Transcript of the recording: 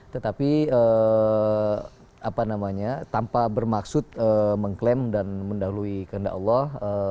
tetapi tanpa bermaksud mengklaim dan mendahului kehendak allah